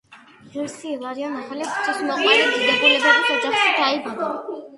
ღირსი ილარიონ ახალი ღვთისმოყვარე დიდებულების ოჯახში დაიბადა.